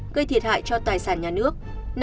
gây thiệt hại cho tài sản nhà nước